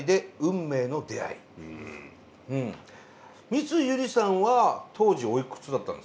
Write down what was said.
三井ゆりさんは当時おいくつだったんですか？